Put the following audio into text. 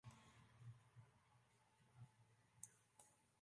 As der moandeitenacht gjin resultaat helle is, komme der daliks hurde aksjes.